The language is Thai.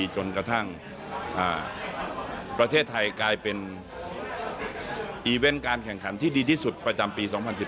จนกระทั่งประเทศไทยกลายเป็นอีเวนต์การแข่งขันที่ดีที่สุดประจำปี๒๐๑๙